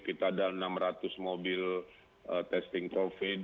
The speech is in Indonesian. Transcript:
kita ada enam ratus mobil testing covid